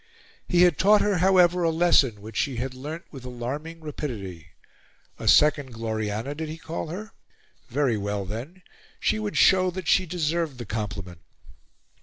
He had taught her, however, a lesson, which she had learnt with alarming rapidity. A second Gloriana, did he call her? Very well, then, she would show that she deserved the compliment.